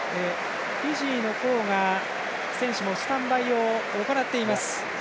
フィジーの方が選手はスタンバイを行っています。